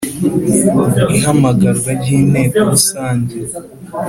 Ihamagarwa ry inteko Rusange